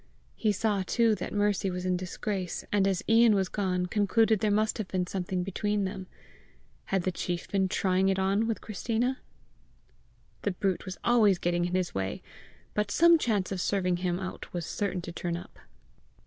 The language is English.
He saw too that Mercy was in disgrace; and, as Ian was gone, concluded there must have been something between them: had the chief been "trying it on with" Christina? The brute was always getting in his way! But some chance of serving him out was certain to turn, up!